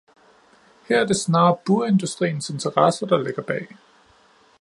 Her er det snarere burindustriens interesser, der ligger bag.